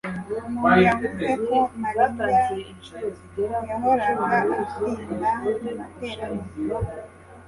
Umuntu yavuze ko Mariya yahoraga atinda mu materaniro